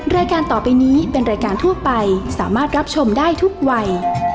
รายการต่อไปนี้เป็นรายการทั่วไปสามารถรับชมได้ทุกวัย